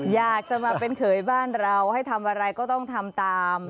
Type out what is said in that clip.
อยากจะมาเป็นเขยบ้านเราให้ทำอะไรก็ต้องทำตาม